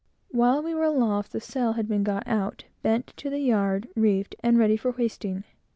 While we were aloft, the sail had been got out, bent to the yard, reefed, and ready for hoisting.